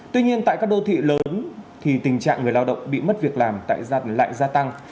tuy nhiên tại các đô thị lớn thì tình trạng người lao động bị mất việc làm lại gia tăng